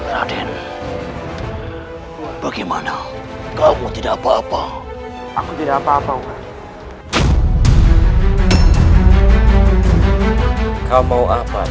kau ingin aku melepaskan keponakan keluarga dana